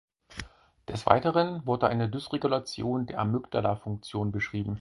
Des Weiteren wurde eine Dysregulation der Amygdala-Funktion beschrieben.